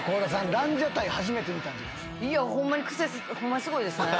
ランジャタイ初めて見たんじゃないっすか？